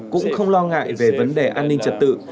cũng không lo ngại về vấn đề an ninh trật tự